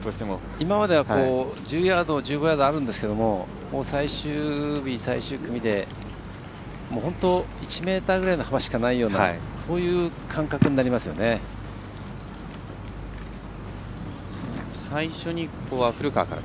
今までは、１０ヤード１５ヤードあるんですけど最終日、最終組で本当に１ｍぐらいの幅しかないぐらいの最初は古川から。